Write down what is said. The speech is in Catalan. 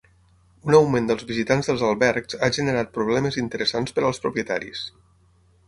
Un augment dels visitants dels albergs ha generat problemes interessants per als propietaris.